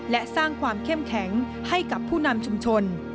และสร้างความเข้มแข็งให้กับผู้นำชุมชน